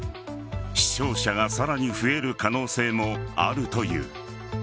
死傷者がさらに増える可能性もあるという。